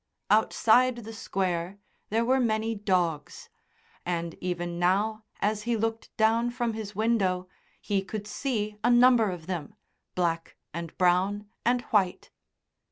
Outside the Square there were many dogs, and even now as he looked down from his window he could see a number of them, black and brown and white.